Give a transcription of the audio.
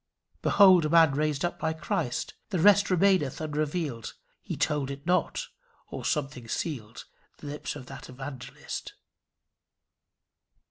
Behold a man raised up by Christ! The rest remaineth unrevealed; He told it not; or something sealed The lips of that Evangelist.